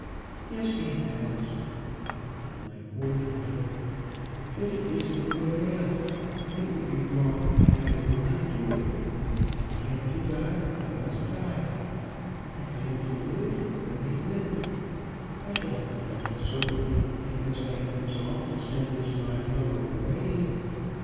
"Yes, he has." "My poor father! But it is of no avail. It would be wrong, and I will not do it. If I am to die, I must die. If I am to live, let me live. I shall not die certainly because I have resolved to send this fine lover away.